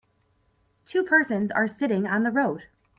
Two persons are sitting on the road.